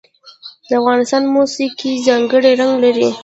د افغانستان موسیقي ځانګړی رنګ لري.